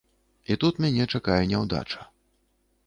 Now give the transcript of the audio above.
І тут мяне чакае няўдача.